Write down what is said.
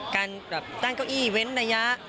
การตั้งเก้าอี้เว้นระยะ